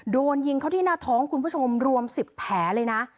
โดนยิงเข้าที่หน้าท้องคุณผู้ชมรวม๑๐แผลเลยนะ